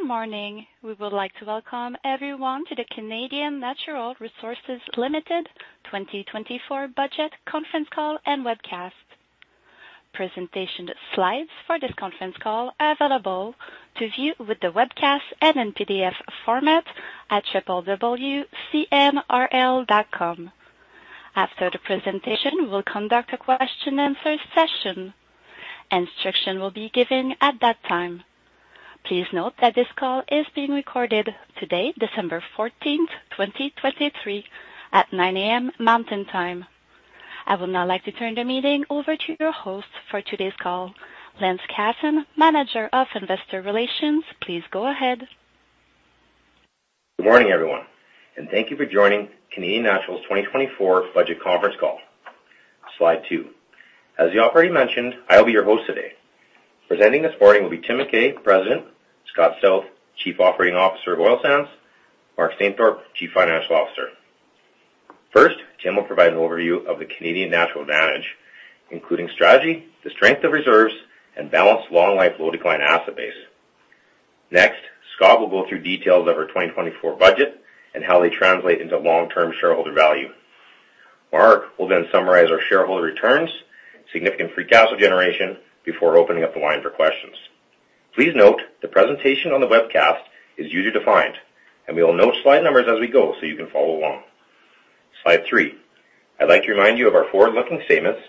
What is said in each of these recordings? Good morning. We would like to welcome everyone to the Canadian Natural Resources Limited 2024 budget conference call and webcast. Presentation slides for this conference call are available to view with the webcast and in PDF format at www.cnrl.com. After the presentation, we'll conduct a question-and-answer session. Instructions will be given at that time. Please note that this call is being recorded today, December 14, 2023, at 9:00 A.M. Mountain Time. I would now like to turn the meeting over to your host for today's call, Lance Casson, Manager of Investor Relations. Please go ahead. Good morning, everyone, and thank you for joining Canadian Natural's 2024 budget conference call. Slide two. As you already mentioned, I'll be your host today. Presenting this morning will be Tim McKay, President, Scott Stauth, Chief Operating Officer of Oil Sands, Mark Stainthorpe, Chief Financial Officer. First, Tim will provide an overview of the Canadian Natural advantage, including strategy, the strength of reserves, and balanced long-life, low-decline asset base. Next, Scott will go through details of our 2024 budget and how they translate into long-term shareholder value. Mark will then summarize our shareholder returns, significant free cash flow generation before opening up the line for questions. Please note, the presentation on the webcast is user-defined, and we will note slide numbers as we go so you can follow along. Slide three. I'd like to remind you of our forward-looking statements,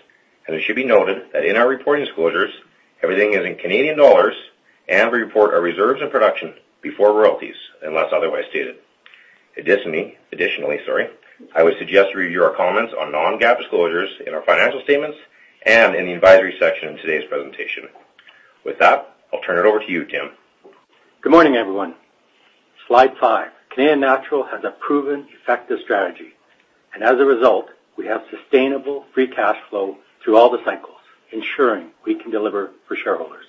and it should be noted that in our reporting disclosures, everything is in Canadian dollars, and we report our reserves and production before royalties, unless otherwise stated. Additionally, sorry, I would suggest to review our comments on non-GAAP disclosures in our financial statements and in the advisory section in today's presentation. With that, I'll turn it over to you, Tim. Good morning, everyone. Slide five. Canadian Natural has a proven, effective strategy, and as a result, we have sustainable free cash flow through all the cycles, ensuring we can deliver for shareholders.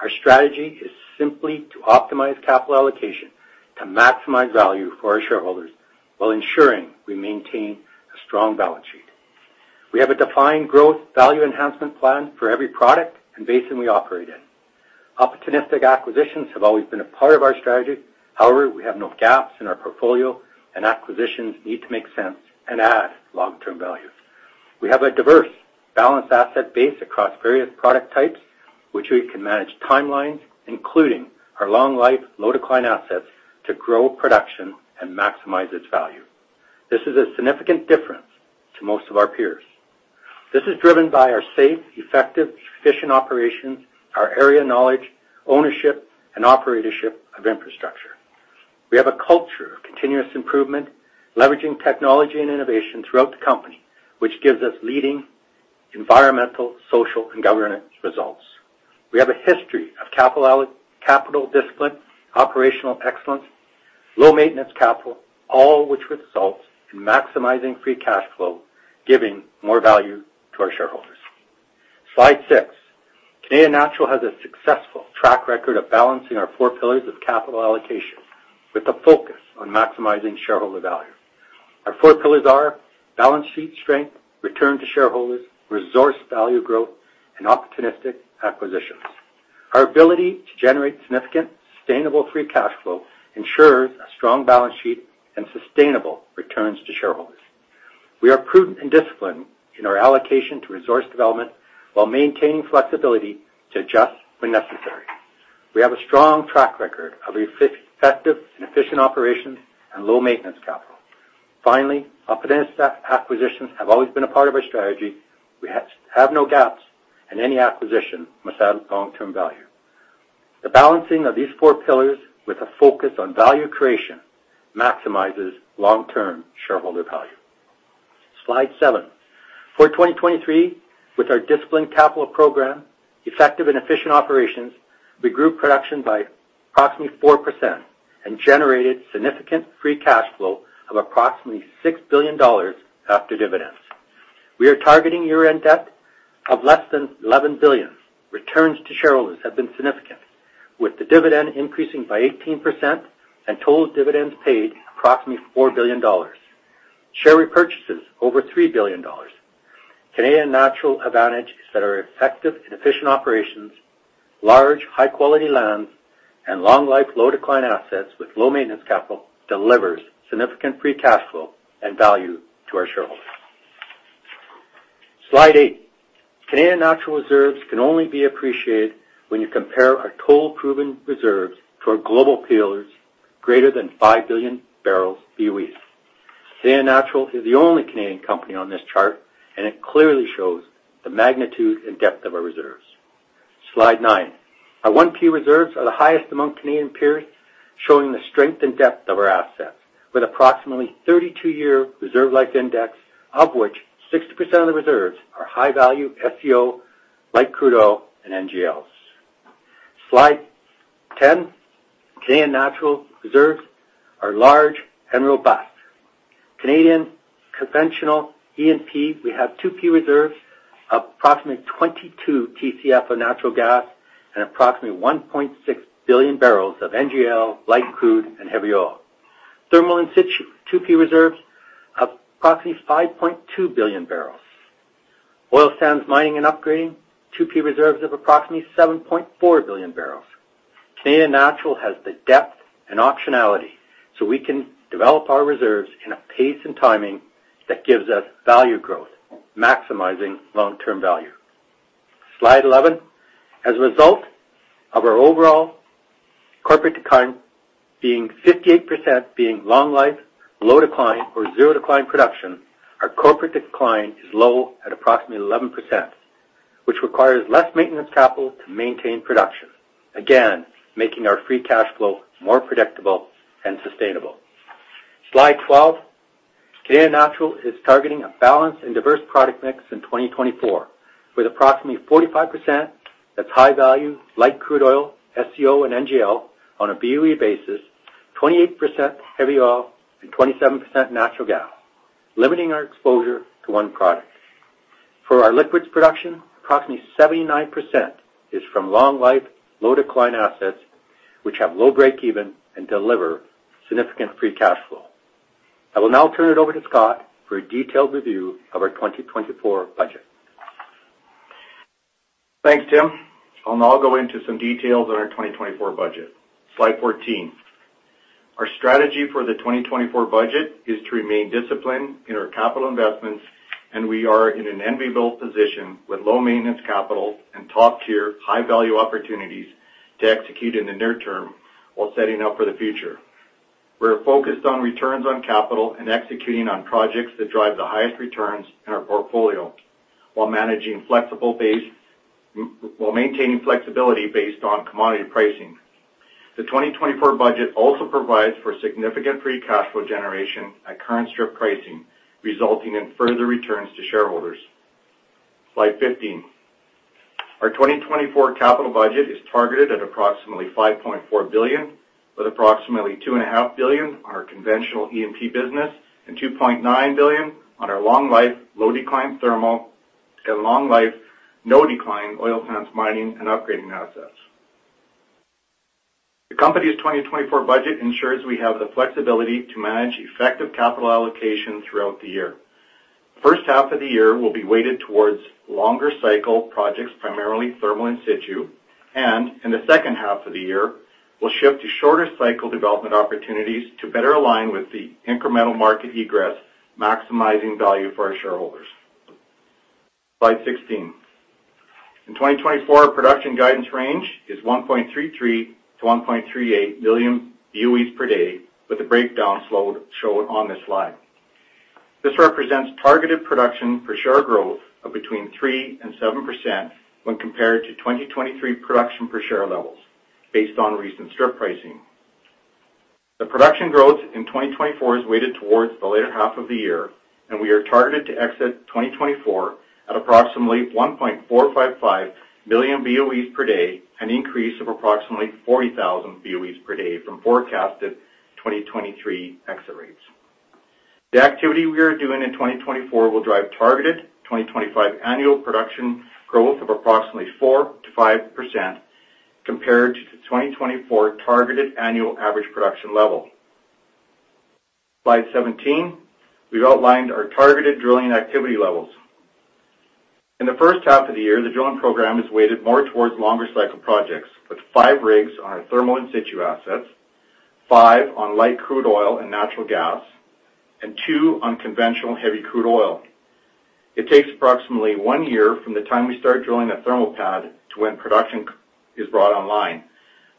Our strategy is simply to optimize capital allocation to maximize value for our shareholders while ensuring we maintain a strong balance sheet. We have a defined growth value enhancement plan for every product and basin we operate in. Opportunistic acquisitions have always been a part of our strategy. However, we have no gaps in our portfolio, and acquisitions need to make sense and add long-term value. We have a diverse, balanced asset base across various product types, which we can manage timelines, including our long-life, low-decline assets, to grow production and maximize its value. This is a significant difference to most of our peers. This is driven by our safe, effective, efficient operations, our area knowledge, ownership, and operatorship of infrastructure. We have a culture of continuous improvement, leveraging technology and innovation throughout the company, which gives us leading environmental, social, and governance results. We have a history of capital discipline, operational excellence, low maintenance capital, all which results in maximizing free cash flow, giving more value to our shareholders. Slide six. Canadian Natural has a successful track record of balancing our four pillars of capital allocation with a focus on maximizing shareholder value. Our four pillars are balance sheet strength, return to shareholders, resource value growth, and opportunistic acquisitions. Our ability to generate significant, sustainable free cash flow ensures a strong balance sheet and sustainable returns to shareholders. We are prudent and disciplined in our allocation to resource development while maintaining flexibility to adjust when necessary. We have a strong track record of effective and efficient operations and low maintenance capital. Finally, opportunistic acquisitions have always been a part of our strategy. We have no gaps, and any acquisition must add long-term value. The balancing of these four pillars with a focus on value creation maximizes long-term shareholder value. Slide seven. For 2023, with our disciplined capital program, effective and efficient operations, we grew production by approximately 4% and generated significant free cash flow of approximately 6 billion dollars after dividends. We are targeting year-end debt of less than 11 billion. Returns to shareholders have been significant, with the dividend increasing by 18% and total dividends paid approximately 4 billion dollars. Share repurchases over 3 billion Canadian dollars. Canadian Natural advantage is that our effective and efficient operations, large, high-quality lands, and long-life, low-decline assets with low maintenance capital delivers significant free cash flow and value to our shareholders. Slide eight. Canadian Natural reserves can only be appreciated when you compare our total proven reserves to our global peers, greater than 5 billion barrels BOE. Canadian Natural is the only Canadian company on this chart, and it clearly shows the magnitude and depth of our reserves. Slide nine. Our 1P reserves are the highest among Canadian peers, showing the strength and depth of our assets with approximately 32-year reserve life index, of which 60% of the reserves are high-value SCO, light crude oil, and NGLs. Slide 10. Canadian Natural reserves are large and robust. Canadian conventional E&P, we have 2P reserves of approximately 22 TCF of natural gas and approximately 1.6 billion barrels of NGL, light crude, and heavy oil. 2P reserves of approximately 5.2 billion barrels. Oil sands mining and upgrading, 2P reserves of approximately 7.4 billion barrels. Canadian Natural has the depth and optionality, so we can develop our reserves in a pace and timing that gives us value growth, maximizing long-term value. Slide 11. As a result of our overall corporate decline being 58%, being long life, low decline or zero decline production, our corporate decline is low at approximately 11%, which requires less maintenance capital to maintain production. Again, making our free cash flow more predictable and sustainable. Slide 12. Canadian Natural is targeting a balanced and diverse product mix in 2024, with approximately 45% that's high value, light crude oil, SCO, and NGL on a BOE basis, 28% heavy oil, and 27% natural gas, limiting our exposure to one product. For our liquids production, approximately 79% is from long life, low decline assets, which have low break even and deliver significant free cash flow. I will now turn it over to Scott for a detailed review of our 2024 budget. Thanks, Tim. I'll now go into some details on our 2024 budget. Slide 14. Our strategy for the 2024 budget is to remain disciplined in our capital investments, and we are in an enviable position with low maintenance capital and top-tier, high-value opportunities to execute in the near term while setting up for the future. We're focused on returns on capital and executing on projects that drive the highest returns in our portfolio, while maintaining flexibility based on commodity pricing. The 2024 budget also provides for significant free cash flow generation at current strip pricing, resulting in further returns to shareholders. Slide 15. Our 2024 capital budget is targeted at approximately 5.4 billion, with approximately 2.5 billion on our conventional E&P business and 2.9 billion on our long life, low decline thermal, and long life, no decline oil sands mining and upgrading assets. The company's 2024 budget ensures we have the flexibility to manage effective capital allocation throughout the year. First half of the year will be weighted towards longer cycle projects, primarily thermal in situ, and in the second half of the year, we'll shift to shorter cycle development opportunities to better align with the incremental market egress, maximizing value for our shareholders. Slide 16. In 2024, our production guidance range is 1.33-1.38 million BOEs per day, with the breakdowns as shown on this slide. This represents targeted production for share growth of between 3% and 7% when compared to 2023 production per share levels, based on recent strip pricing. The production growth in 2024 is weighted towards the latter half of the year, and we are targeted to exit 2024 at approximately 1.455 billion BOEs per day, an increase of approximately 40,000 BOEs per day from forecasted 2023 exit rates. The activity we are doing in 2024 will drive targeted 2025 annual production growth of approximately 4%-5% compared to the 2024 targeted annual average production level. Slide 17, we've outlined our targeted drilling activity levels. In the first half of the year, the drilling program is weighted more towards longer cycle projects, with 5 rigs on our thermal in situ assets, 5 on light crude oil and natural gas, and two on conventional heavy crude oil. It takes approximately one year from the time we start drilling a thermal pad to when production is brought online,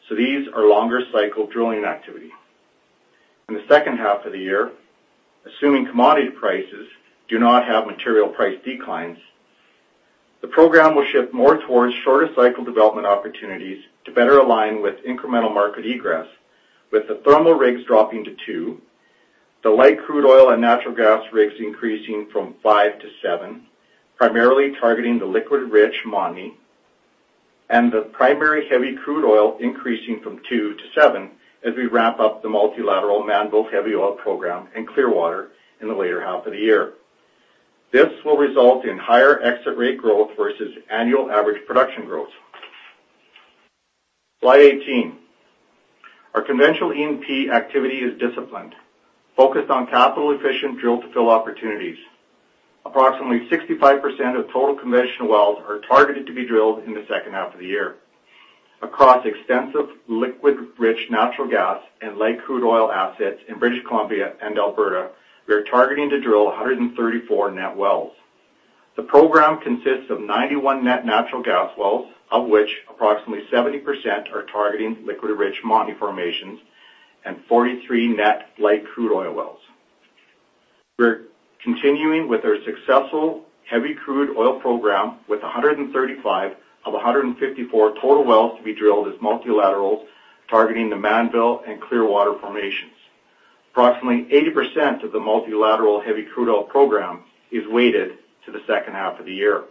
so these are longer cycle drilling activity. In the second half of the year, assuming commodity prices do not have material price declines, the program will shift more towards shorter cycle development opportunities to better align with incremental market egress, with the thermal rigs dropping to two, the light crude oil and natural gas rigs increasing from five to seven, primarily targeting the liquid-rich Montney, and the primary heavy crude oil increasing from two to seven as we wrap up the multilateral Mannville heavy oil program in Clearwater in the later half of the year. This will result in higher exit rate growth versus annual average production growth. Slide 18. Our conventional E&P activity is disciplined, focused on capital-efficient drill-to-fill opportunities. Approximately 65% of total conventional wells are targeted to be drilled in the second half of the year. Across extensive liquid-rich natural gas and light crude oil assets in British Columbia and Alberta, we are targeting to drill 134 net wells. The program consists of 91 net natural gas wells, of which approximately 70% are targeting liquid-rich Montney formations and 43 net light crude oil wells. We're continuing with our successful heavy crude oil program, with 135 of 154 total wells to be drilled as multilaterals, targeting the Mannville and Clearwater formations. Approximately 80% of the multilateral heavy crude oil program is weighted to the second half of the year.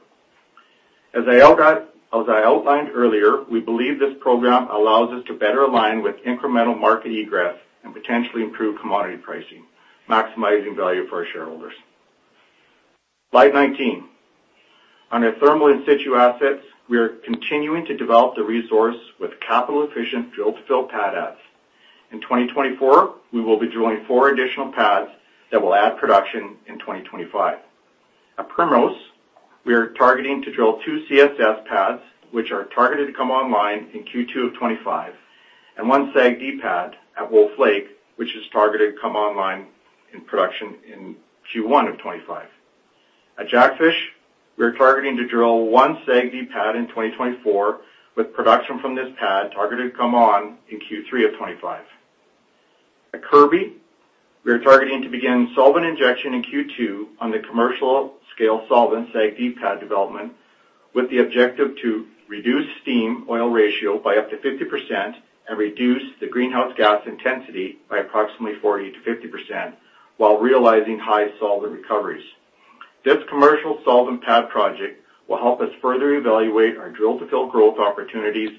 As I outlined earlier, we believe this program allows us to better align with incremental market egress and potentially improve commodity pricing, maximizing value for our shareholders. Slide 19. On our thermal in situ assets, we are continuing to develop the resource with capital-efficient drill-to-fill pad adds. In 2024, we will be drilling four additional pads that will add production in 2025. At Primrose, we are targeting to drill two CSS pads, which are targeted to come online in Q2 of 2025, and one SAGD pad at Wolf Lake, which is targeted to come online in production in Q1 of 2025. At Jackfish, we're targeting to drill one SAGD pad in 2024, with production from this pad targeted to come on in Q3 of 2025. At Kirby, we are targeting to begin solvent injection in Q2 on the commercial-scale solvent SAGD pad development, with the objective to reduce steam oil ratio by up to 50% and reduce the greenhouse gas intensity by approximately 40%-50%, while realizing high solvent recoveries. This commercial solvent pad project will help us further evaluate our drill-to-fill growth opportunities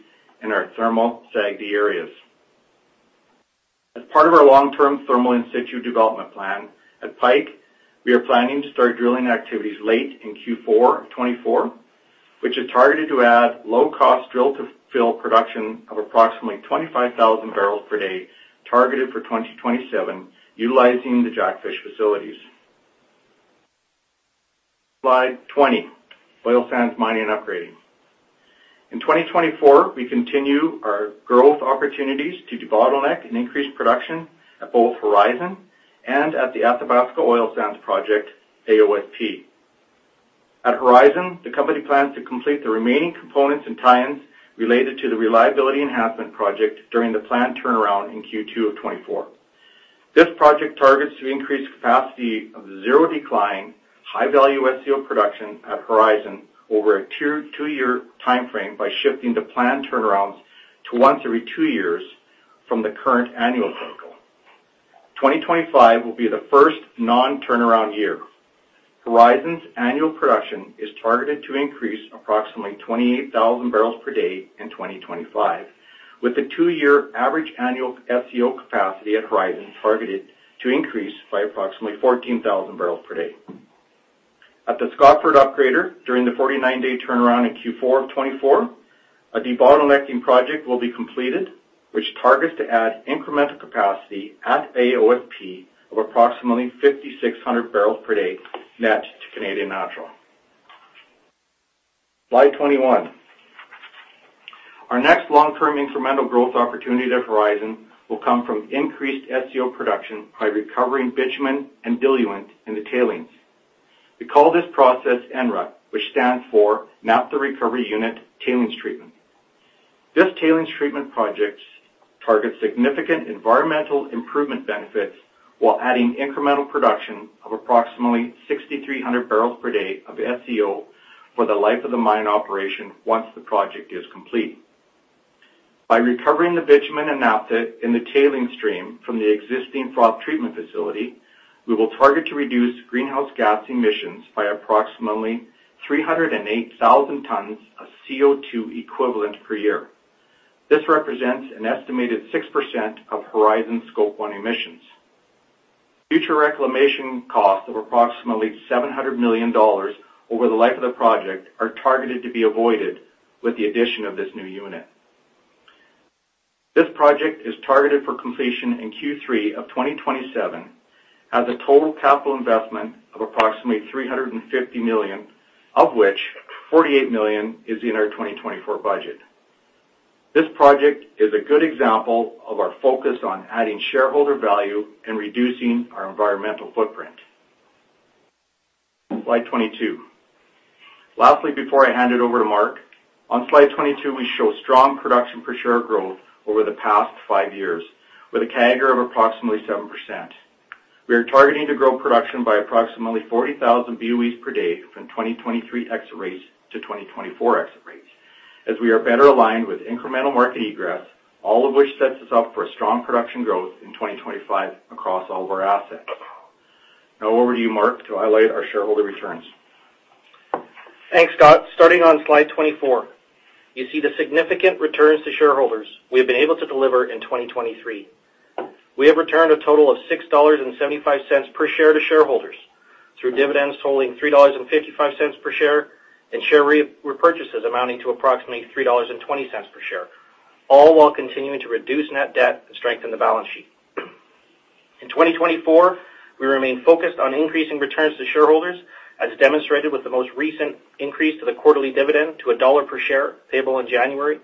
in our thermal SAGD areas. As part of our long-term thermal in situ development plan, at Pike, we are planning to start drilling activities late in Q4 of 2024, which is targeted to add low-cost drill-to-fill production of approximately 25,000 barrels per day, targeted for 2027, utilizing the Jackfish facilities. Slide 20, oil sands mining and upgrading. In 2024, we continue our growth opportunities to bottleneck and increase production at both Horizon and at the Athabasca Oil Sands Project, AOSP. At Horizon, the company plans to complete the remaining components and tie-ins related to the reliability enhancement project during the planned turnaround in Q2 of 2024. This project targets to increase capacity of zero decline, high-value SCO production at Horizon over a two-year timeframe by shifting the planned turnarounds to once every two years from the current annual cycle. 2025 will be the first non-turnaround year. Horizon's annual production is targeted to increase approximately 28,000 barrels per day in 2025, with the two-year average annual SCO capacity at Horizon targeted to increase by approximately 14,000 barrels per day. At the Scotford Upgrader, during the 49-day turnaround in Q4 of 2024, a debottlenecking project will be completed, which targets to add incremental capacity at AOSP of approximately 5,600 barrels per day, net to Canadian Natural. Slide 21. Our next long-term incremental growth opportunity at Horizon will come from increased SCO production by recovering bitumen and diluent in the tailings. We call this process NRUT, which stands for Naphtha Recovery Unit Tailings Treatment. This tailings treatment project targets significant environmental improvement benefits, while adding incremental production of approximately 6,300 barrels per day of SCO for the life of the mine operation, once the project is complete. By recovering the bitumen and naphtha in the tailings stream from the existing froth treatment facility, we will target to reduce greenhouse gas emissions by approximately 308,000 tons of CO2 equivalent per year. This represents an estimated 6% of Horizon Scope One emissions. Future reclamation costs of approximately 700 million dollars over the life of the project are targeted to be avoided with the addition of this new unit. This project is targeted for completion in Q3 of 2027, has a total capital investment of approximately 350 million, of which 48 million is in our 2024 budget. This project is a good example of our focus on adding shareholder value and reducing our environmental footprint. Slide 22. Lastly, before I hand it over to Mark, on slide 22, we show strong production per share growth over the past five years, with a CAGR of approximately 7%. We are targeting to grow production by approximately 40,000 BOEs per day from 2023 exit rates to 2024 exit rates, as we are better aligned with incremental market egress, all of which sets us up for a strong production growth in 2025 across all of our assets. Now over to you, Mark, to highlight our shareholder returns. Thanks, Scott. Starting on slide 24, you see the significant returns to shareholders we have been able to deliver in 2023. We have returned a total of 6.75 dollars per share to shareholders through dividends totaling 3.55 per share and share repurchases amounting to approximately 3.20 dollars per share, all while continuing to reduce net debt and strengthen the balance sheet. In 2024, we remain focused on increasing returns to shareholders, as demonstrated with the most recent increase to the quarterly dividend to CAD 1 per share, payable in January,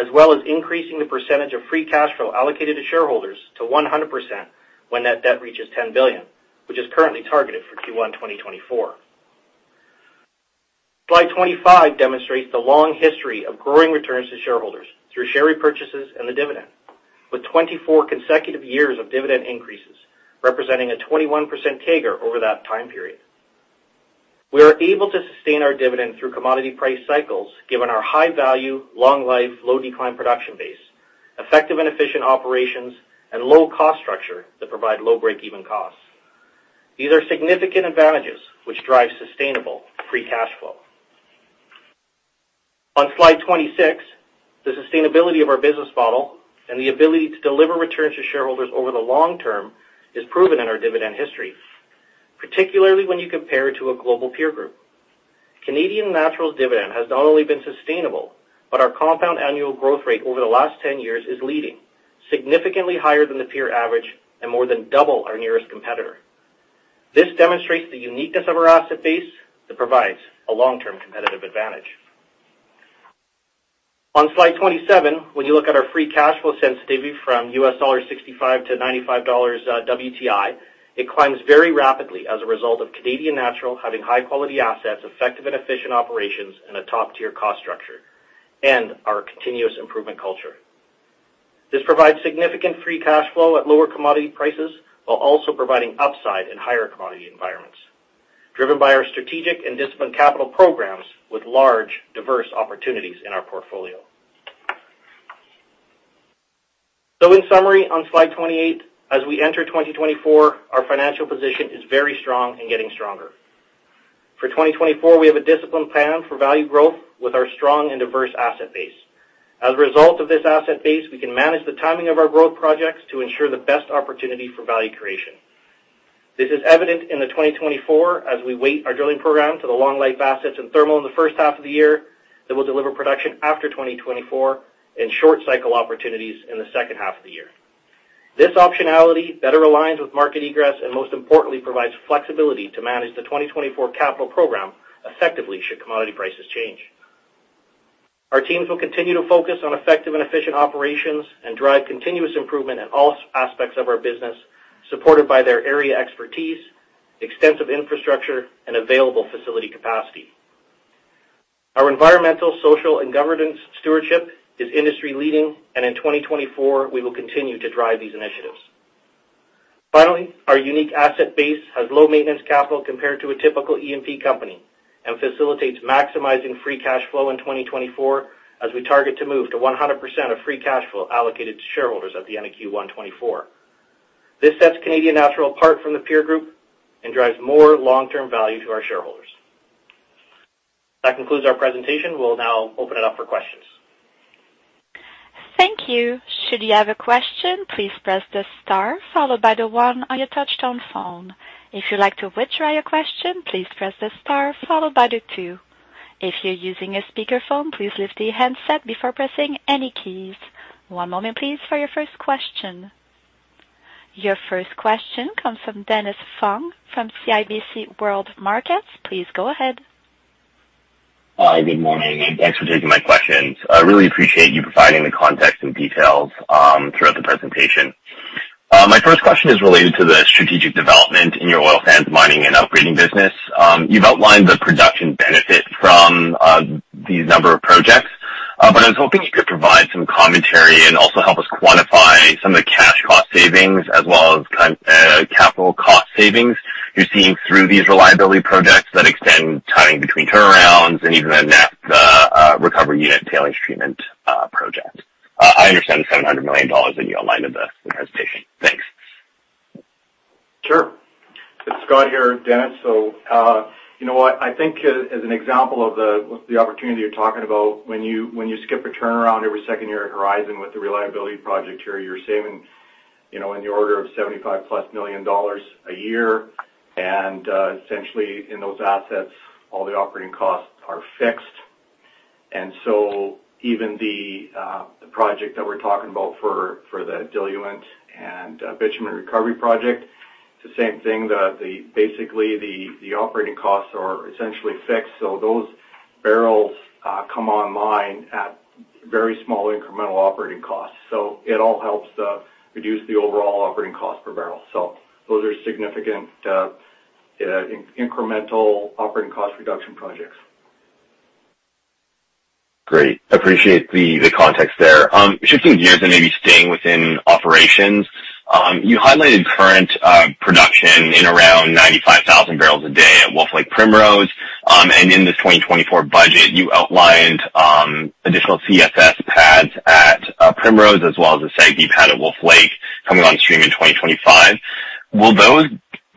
as well as increasing the percentage of free cash flow allocated to shareholders to 100% when that debt reaches 10 billion, which is currently targeted for Q1 2024. Slide 25 demonstrates the long history of growing returns to shareholders through share repurchases and the dividend, with 24 consecutive years of dividend increases, representing a 21% CAGR over that time period. We are able to sustain our dividend through commodity price cycles, given our high value, long life, low decline production base, effective and efficient operations, and low-cost structure that provide low break-even costs. These are significant advantages, which drive sustainable free cash flow... On slide 26, the sustainability of our business model and the ability to deliver returns to shareholders over the long term is proven in our dividend history, particularly when you compare it to a global peer group. Canadian Natural's dividend has not only been sustainable, but our compound annual growth rate over the last 10 years is leading, significantly higher than the peer average and more than double our nearest competitor. This demonstrates the uniqueness of our asset base that provides a long-term competitive advantage. On slide 27, when you look at our free cash flow sensitivity from $65-$95 WTI, it climbs very rapidly as a result of Canadian Natural having high-quality assets, effective and efficient operations, and a top-tier cost structure, and our continuous improvement culture. This provides significant free cash flow at lower commodity prices, while also providing upside in higher commodity environments, driven by our strategic and disciplined capital programs with large, diverse opportunities in our portfolio. So in summary, on slide 28, as we enter 2024, our financial position is very strong and getting stronger. For 2024, we have a disciplined plan for value growth with our strong and diverse asset base. As a result of this asset base, we can manage the timing of our growth projects to ensure the best opportunity for value creation. This is evident in 2024 as we weight our drilling program to the long-life assets and thermal in the first half of the year, that will deliver production after 2024 and short cycle opportunities in the second half of the year. This optionality better aligns with market egress, and most importantly, provides flexibility to manage the 2024 capital program effectively, should commodity prices change. Our teams will continue to focus on effective and efficient operations and drive continuous improvement in all aspects of our business, supported by their area expertise, extensive infrastructure, and available facility capacity. Our environmental, social, and governance stewardship is industry-leading, and in 2024, we will continue to drive these initiatives. Finally, our unique asset base has low maintenance capital compared to a typical E&P company and facilitates maximizing free cash flow in 2024, as we target to move to 100% of free cash flow allocated to shareholders at the end of Q1 2024. This sets Canadian Natural apart from the peer group and drives more long-term value to our shareholders. That concludes our presentation. We'll now open it up for questions. Thank you. Should you have a question, please press the star followed by the one on your touchtone phone. If you'd like to withdraw your question, please press the star followed by the two. If you're using a speakerphone, please lift your handset before pressing any keys. One moment, please, for your first question. Your first question comes from Dennis Fong from CIBC World Markets. Please go ahead. Hi, good morning, and thanks for taking my questions. I really appreciate you providing the context and details throughout the presentation. My first question is related to the strategic development in your oil sands mining and upgrading business. You've outlined the production benefit from these number of projects, but I was hoping you could provide some commentary and also help us quantify some of the cash cost savings as well as kind, capital cost savings you're seeing through these reliability projects that extend timing between turnarounds and even the next, recovery unit tailings treatment project. I understand the 700 million dollars that you outlined in the presentation. Thanks. Sure. It's Scott here, Dennis. So, you know what? I think as an example of the opportunity you're talking about, when you skip a turnaround every second year at Horizon with the reliability project here, you're saving, you know, in the order of 75 million dollars+ a year. And essentially, in those assets, all the operating costs are fixed. And so even the project that we're talking about for the diluent and bitumen recovery project, it's the same thing. The basically, the operating costs are essentially fixed, so those barrels come online at very small incremental operating costs. So it all helps to reduce the overall operating cost per barrel. So those are significant incremental operating cost reduction projects. Great. Appreciate the context there. Shifting gears and maybe staying within operations, you highlighted current production in around 95,000 barrels a day at Wolf Lake Primrose. And in this 2024 budget, you outlined additional CSS pads at Primrose, as well as a SAGD pad at Wolf Lake coming on stream in 2025. Will those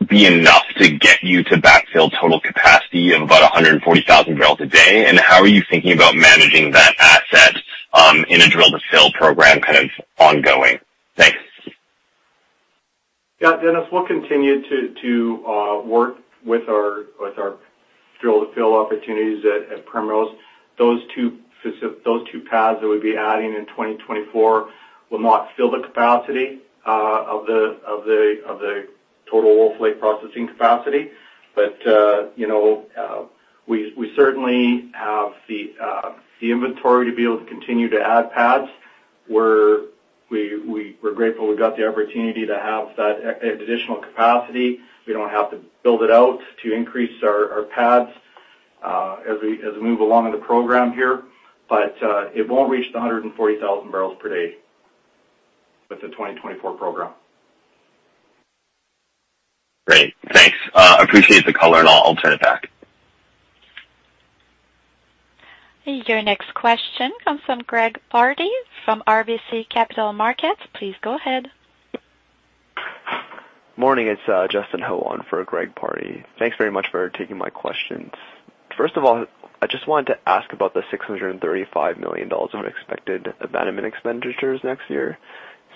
be enough to get you to backfill total capacity of about 140,000 barrels a day? And how are you thinking about managing that asset in a drill to fill program kind of ongoing? Thanks. Yeah, Dennis, we'll continue to work with our drill to fill opportunities at Primrose. Those two pads that we'll be adding in 2024 will not fill the capacity of the total Wolf Lake processing capacity. But you know, we certainly have the inventory to be able to continue to add pads. We're grateful we've got the opportunity to have that additional capacity. We don't have to build it out to increase our pads as we move along in the program here. But it won't reach the 140,000 barrels per day with the 2024 program. Great, thanks. Appreciate the color, and I'll turn it back. Your next question comes from Greg Pardy, from RBC Capital Markets. Please go ahead.... Morning, it's Justin Ho in for Greg Pardy. Thanks very much for taking my questions. First of all, I just wanted to ask about the 635 million dollars of unexpected abandonment expenditures next year.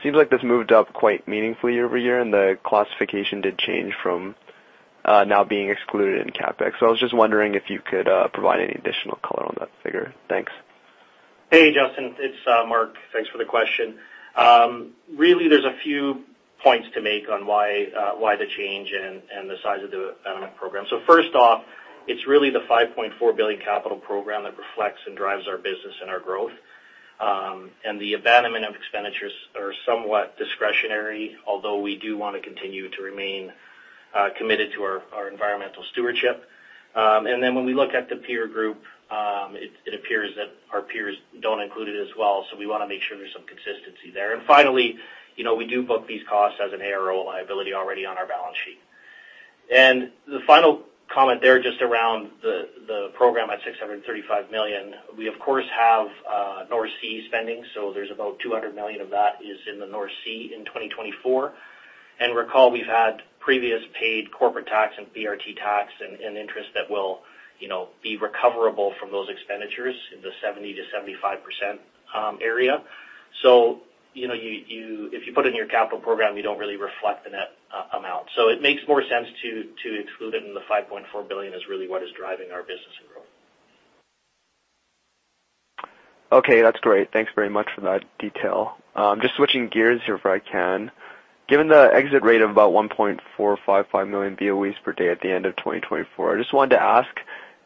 Seems like this moved up quite meaningfully year-over-year, and the classification did change from now being excluded in CapEx. So I was just wondering if you could provide any additional color on that figure. Thanks. Hey, Justin, it's Mark. Thanks for the question. Really, there's a few points to make on why the change and the size of the abandonment program. So first off, it's really the 5.4 billion capital program that reflects and drives our business and our growth. And the abandonment of expenditures are somewhat discretionary, although we do want to continue to remain committed to our environmental stewardship. And then when we look at the peer group, it appears that our peers don't include it as well, so we wanna make sure there's some consistency there. And finally, you know, we do book these costs as an ARO liability already on our balance sheet. The final comment there, just around the program at 635 million, we, of course, have North Sea spending, so there's about 200 million of that in the North Sea in 2024. And recall, we've had previous paid corporate tax and PRT tax and interest that will, you know, be recoverable from those expenditures in the 70%-75% area. So, you know, you if you put it in your capital program, you don't really reflect the net amount. So it makes more sense to exclude it, and the 5.4 billion is really what is driving our business and growth. Okay, that's great. Thanks very much for that detail. Just switching gears here, if I can. Given the exit rate of about 1.455 million BOEs per day at the end of 2024, I just wanted to ask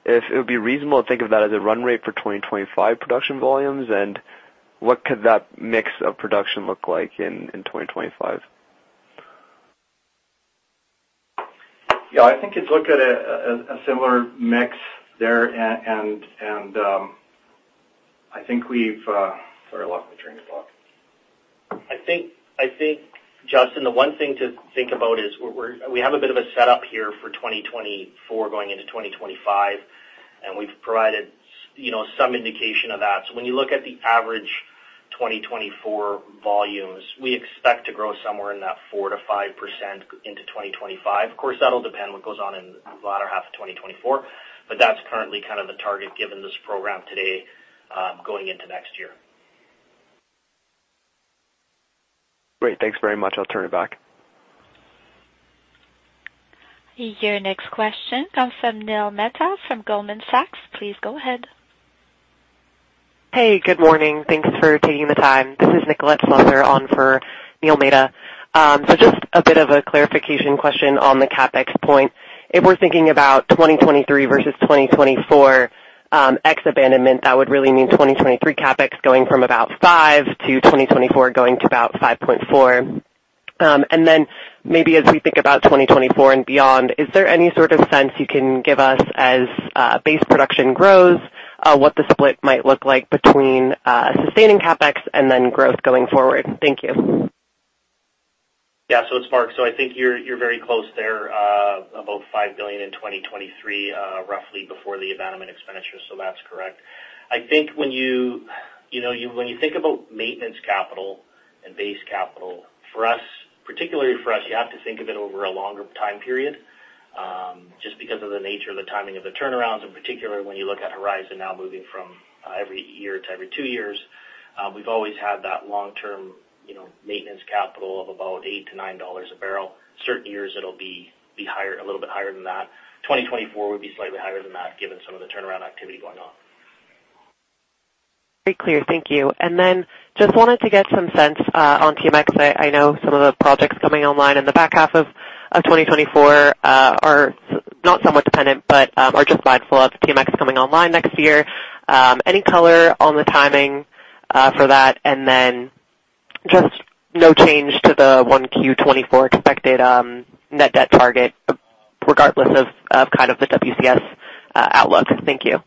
if it would be reasonable to think of that as a run rate for 2025 production volumes, and what could that mix of production look like in 2025? Yeah, I think it looked at a similar mix there. And I think we've... Sorry, I lost my train of thought. I think, Justin, the one thing to think about is we have a bit of a setup here for 2024, going into 2025, and we've provided, you know, some indication of that. So when you look at the average 2024 volumes, we expect to grow somewhere in that 4%-5% into 2025. Of course, that'll depend what goes on in the latter half of 2024, but that's currently kind of the target given this program today, going into next year. Great. Thanks very much. I'll turn it back. Your next question comes from Neil Mehta from Goldman Sachs. Please go ahead. Hey, good morning. Thanks for taking the time. This is Nicolette Slaughter on for Neil Mehta. So just a bit of a clarification question on the CapEx point. If we're thinking about 2023 versus 2024, ex abandonment, that would really mean 2023 CapEx going from about 5 to 2024, going to about 5.4. And then maybe as we think about 2024 and beyond, is there any sort of sense you can give us, as base production grows, what the split might look like between sustaining CapEx and then growth going forward? Thank you. Yeah. So it's Mark. I think you're very close there, about 5 billion in 2023, roughly before the abandonment expenditures. That's correct. I think when you know, when you think about maintenance capital and base capital, for us, particularly for us, you have to think of it over a longer time period, just because of the nature of the timing of the turnarounds, and particularly when you look at Horizon now moving from every year to every two years. We've always had that long-term, you know, maintenance capital of about $8-$9 a barrel. Certain years it'll be higher, a little bit higher than that. 2024 would be slightly higher than that, given some of the turnaround activity going on. Very clear. Thank you. And then just wanted to get some sense on TMX. I know some of the projects coming online in the back half of 2024 are not somewhat dependent, but are just mindful of TMX coming online next year. Any color on the timing for that, and then just no change to the 1Q24 expected net debt target, regardless of kind of the WCS outlook? Thank you.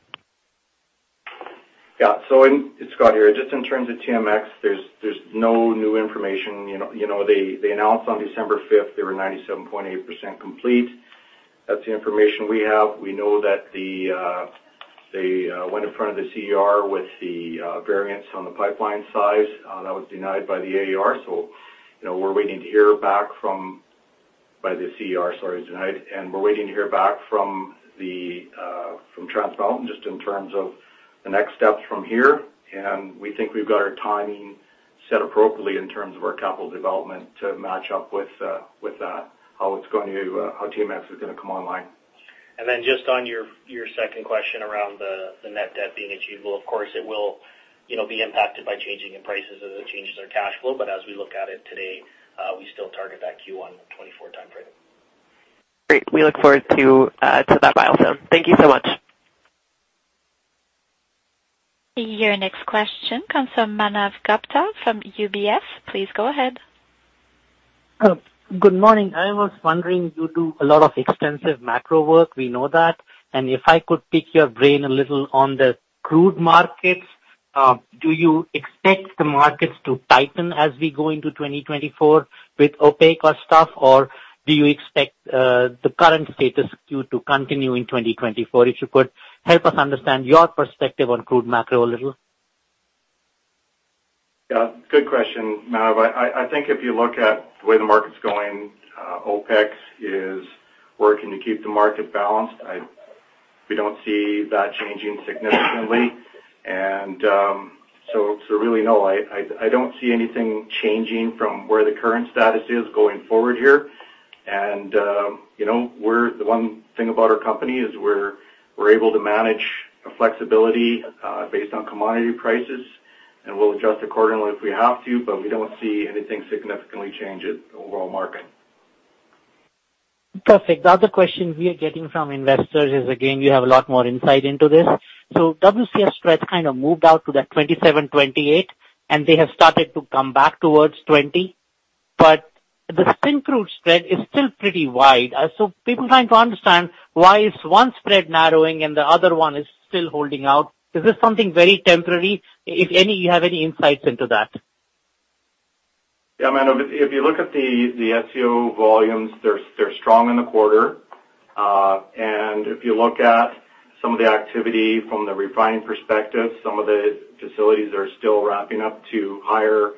Yeah. So it's Scott here. Just in terms of TMX, there's no new information. You know, they announced on December fifth, they were 97.8% complete. That's the information we have. We know that they went in front of the CER with the variance on the pipeline size that was denied by the AER. So, you know, we're waiting to hear back from the CER, sorry, denied. And we're waiting to hear back from Trans Mountain, just in terms of the next steps from here. And we think we've got our timing set appropriately in terms of our capital development to match up with that, how it's going to, how TMX is gonna come online. Then just on your second question around the net debt being achievable. Of course, it will, you know, be impacted by changes in prices as it changes our cash flow. But as we look at it today, we still target that Q1 2024 time frame. Great. We look forward to that milestone. Thank you so much. Your next question comes from Manav Gupta from UBS. Please go ahead. Good morning. I was wondering, you do a lot of extensive macro work. We know that. And if I could pick your brain a little on the crude markets, do you expect the markets to tighten as we go into 2024 with OPEC or stuff? Or do you expect, the current status quo to continue in 2024? If you could help us understand your perspective on crude macro a little. ... Yeah, good question, Manav. I think if you look at the way the market's going, OPEC is working to keep the market balanced. We don't see that changing significantly. And so really, no, I don't see anything changing from where the current status is going forward here. And you know, the one thing about our company is we're able to manage a flexibility based on commodity prices, and we'll adjust accordingly if we have to, but we don't see anything significantly changing the overall market. Perfect. The other question we are getting from investors is, again, you have a lot more insight into this. So WCS spreads kind of moved out to the 27, 28, and they have started to come back towards 20. But the synthetic crude spread is still pretty wide. So people are trying to understand why is one spread narrowing and the other one is still holding out. Is this something very temporary? You have any insights into that? Yeah, Manav, if you look at the SCO volumes, they're strong in the quarter. And if you look at some of the activity from the refining perspective, some of the facilities are still ramping up to higher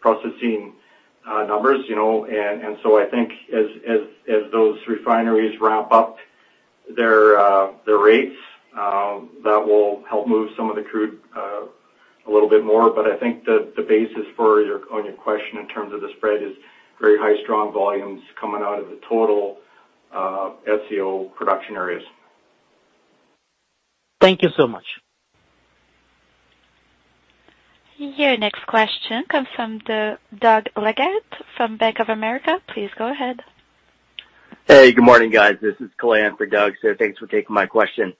processing numbers, you know? And so I think as those refineries ramp up their rates, that will help move some of the crude a little bit more. But I think the basis for your question in terms of the spread is very high, strong volumes coming out of the total SCO production areas. Thank you so much. Your next question comes from Doug Leggate from Bank of America. Please go ahead. Hey, good morning, guys. This is Kalei for Doug. So thanks for taking my question.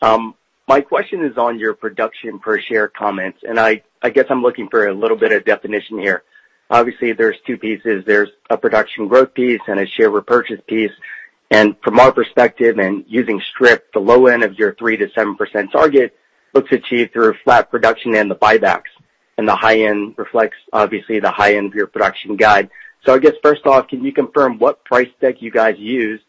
My question is on your production per share comments, and I guess I'm looking for a little bit of definition here. Obviously, there's two pieces. There's a production growth piece and a share repurchase piece. And from our perspective and using strip, the low end of your 3%-7% target looks achieved through flat production and the buybacks, and the high end reflects, obviously, the high end of your production guide. So I guess, first off, can you confirm what price deck you guys used?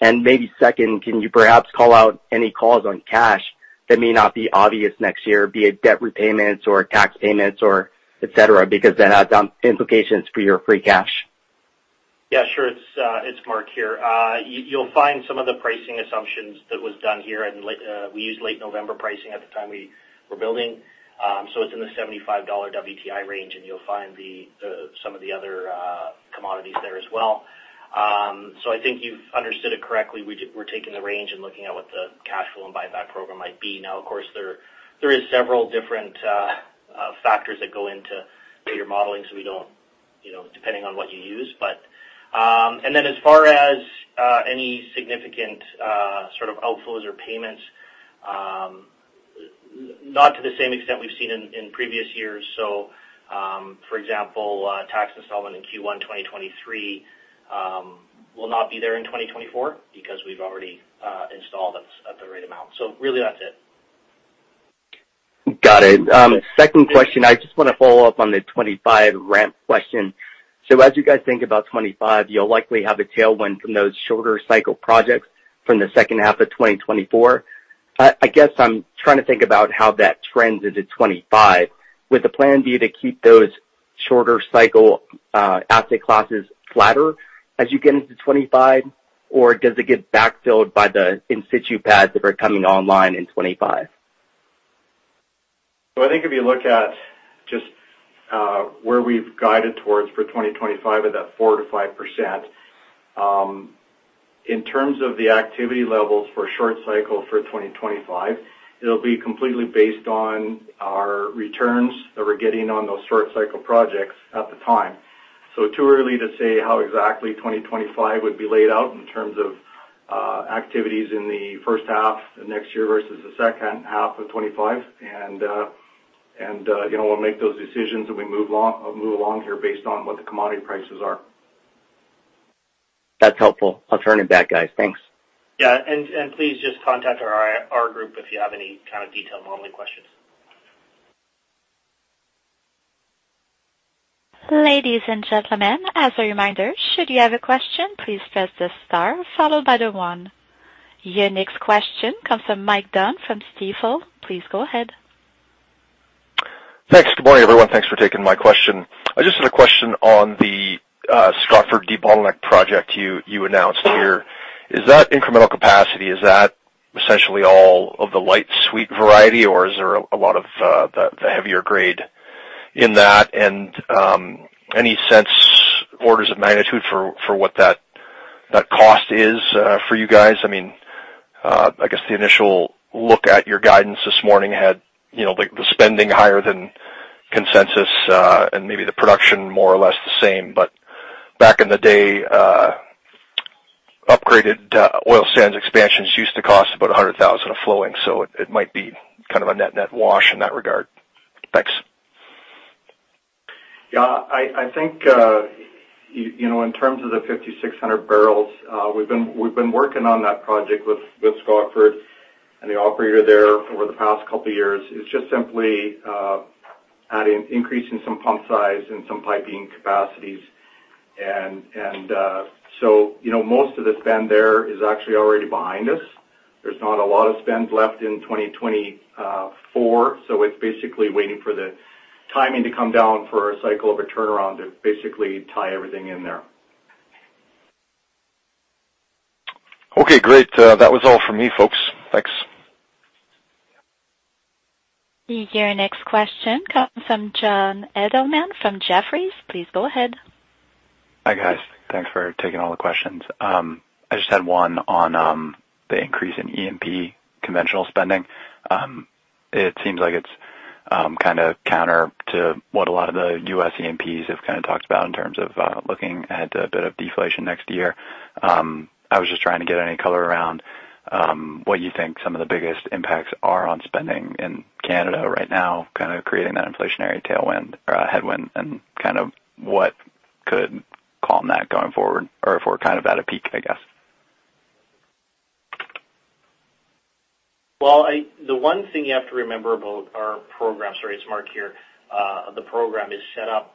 And maybe second, can you perhaps call out any calls on cash that may not be obvious next year, be it debt repayments or tax payments or et cetera, because that has implications for your free cash? Yeah, sure. It's, it's Mark here. You'll find some of the pricing assumptions that was done here in late, we used late November pricing at the time we were building. So it's in the $75 WTI range, and you'll find the, some of the other, commodities there as well. So I think you've understood it correctly. We're taking the range and looking at what the cash flow and buyback program might be. Now, of course, there, there is several different, factors that go into your modeling, so we don't, you know, depending on what you use. But... And then as far as, any significant, sort of outflows or payments, not to the same extent we've seen in, in previous years. So, for example, tax installment in Q1 2023 will not be there in 2024 because we've already installed at the right amount. So really, that's it. Got it. Second question, I just want to follow up on the 25 ramp question. So as you guys think about 25, you'll likely have a tailwind from those shorter cycle projects from the second half of 2024. I guess I'm trying to think about how that trends into 25. Would the plan be to keep those shorter cycle asset classes flatter as you get into 25, or does it get backfilled by the in situ pads that are coming online in 25? So I think if you look at just where we've guided towards for 2025, at that 4%-5%, in terms of the activity levels for short cycle for 2025, it'll be completely based on our returns that we're getting on those short cycle projects at the time. So too early to say how exactly 2025 would be laid out in terms of activities in the first half of next year versus the second half of 2025. And you know, we'll make those decisions, and we move along, move along here based on what the commodity prices are. That's helpful. I'll turn it back, guys. Thanks. Yeah, and please just contact our group if you have any kind of detailed modeling questions. Ladies and gentlemen, as a reminder, should you have a question, please press the star followed by the one. Your next question comes from Mike Dunn from Stifel. Please go ahead. Thanks. Good morning, everyone. Thanks for taking my question. I just had a question on the Scotford debottleneck project you announced here. Is that incremental capacity essentially all of the light sweet variety, or is there a lot of the heavier grade in that? And any sense, orders of magnitude for what that cost is for you guys? I mean, I guess the initial look at your guidance this morning had, you know, the spending higher than consensus, and maybe the production more or less the same. But back in the day, upgraded oil sands expansions used to cost about 100,000 of flowing, so it might be kind of a net-net wash in that regard. Thanks. Yeah, I think you know, in terms of the 5,600 barrels, we've been working on that project with Scotford and the operator there over the past couple of years. It's just simply,... adding increasing some pump size and some piping capacities. And, and, so, you know, most of the spend there is actually already behind us. There's not a lot of spend left in 2024, so it's basically waiting for the timing to come down for a cycle of a turnaround to basically tie everything in there. Okay, great. That was all for me, folks. Thanks. Your next question comes from John Edelman from Jefferies. Please go ahead. Hi, guys. Thanks for taking all the questions. I just had one on the increase in E&P conventional spending. It seems like it's kind of counter to what a lot of the US E&Ps have kind of talked about in terms of looking at a bit of deflation next year. I was just trying to get any color around what you think some of the biggest impacts are on spending in Canada right now, kind of creating that inflationary tailwind or headwind, and kind of what could calm that going forward, or if we're kind of at a peak, I guess? Well, the one thing you have to remember about our program, sorry, it's Mark here. The program is set up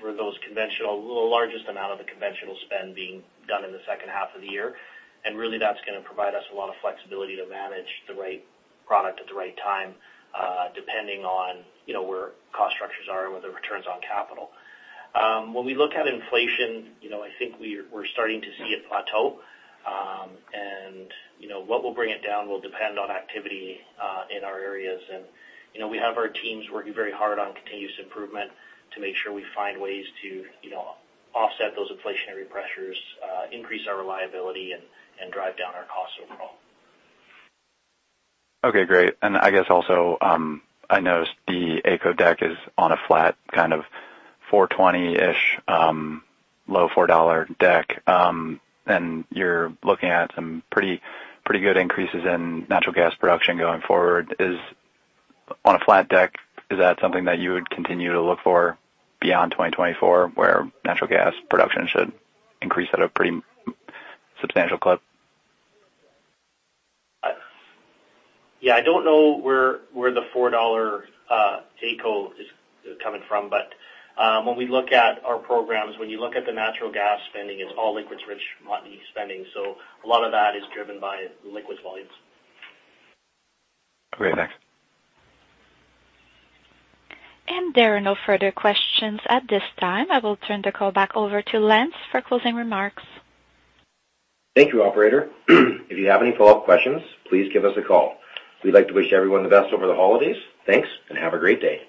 for those conventional... The largest amount of the conventional spend being done in the second half of the year, and really, that's gonna provide us a lot of flexibility to manage the right product at the right time, depending on, you know, where cost structures are and where the returns on capital. When we look at inflation, you know, I think we're starting to see it plateau. And, you know, what will bring it down will depend on activity in our areas. And, you know, we have our teams working very hard on continuous improvement to make sure we find ways to, you know, offset those inflationary pressures, increase our reliability and drive down our costs overall. Okay, great. I guess also, I noticed the AECO deck is on a flat, kind of 4.20-ish, low 4 dollar deck. And you're looking at some pretty, pretty good increases in natural gas production going forward. Is, on a flat deck, is that something that you would continue to look for beyond 2024, where natural gas production should increase at a pretty substantial clip? Yeah, I don't know where the 4 dollar AECO is coming from, but when we look at our programs, when you look at the natural gas spending, it's all liquids-rich Montney spending, so a lot of that is driven by liquids volumes. Great. Thanks. There are no further questions at this time. I will turn the call back over to Lance for closing remarks. Thank you, operator. If you have any follow-up questions, please give us a call. We'd like to wish everyone the best over the holidays. Thanks, and have a great day.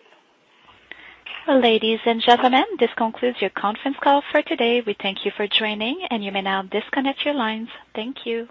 Ladies and gentlemen, this concludes your conference call for today. We thank you for joining, and you may now disconnect your lines. Thank you.